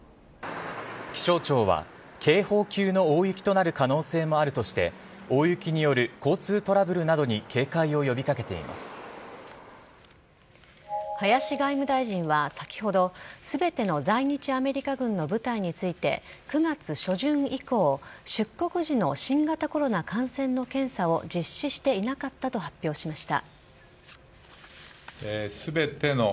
気象庁は警報級の大雪となる可能性もあるとして大雪による交通トラブルなどに林外務大臣は先程全ての在日アメリカ軍の部隊について９月初旬以降出国時の新型コロナ感染の検査を実施していなかったと発表しました。